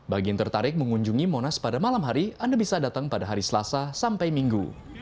bagi yang tertarik mengunjungi monas pada malam hari anda bisa datang pada hari selasa sampai minggu